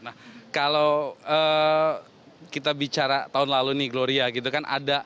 nah kalau kita bicara tahun lalu nih gloria gitu kan